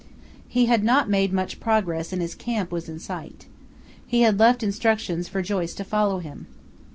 He had not made much progress and his camp was in sight. He had left instructions for Joyce to follow him.